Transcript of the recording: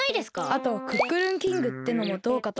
あとクックルンキングってのもどうかと。